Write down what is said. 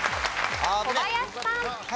小林さん。